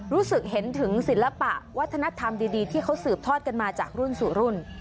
รู้สึกเห็นถึงศิลปะวัฒนธรรมดีที่เขาสืบทอดกันมาจากรุ่นสู่รุ่น